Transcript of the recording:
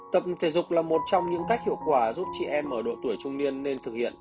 tập thể dục là một trong những cách hiệu quả giúp chị em ở độ tuổi trung niên nên thực hiện